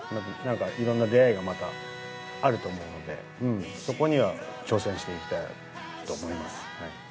いろんな出会いがまたあると思うので、そこには挑戦していきたいなと思います。